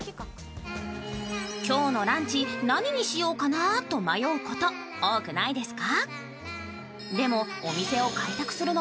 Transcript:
今日のランチ、何にしようかなと迷うこと、多くないですか？